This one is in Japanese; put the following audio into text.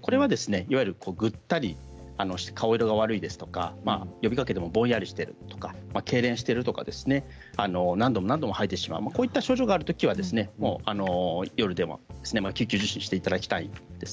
これは、ぐったりして顔色が悪いですとか呼びかけてもぼんやりしているとかけいれんしているとか何度も何度も吐いてしまうような症状があるときは夜でも救急受診していただきたいですね。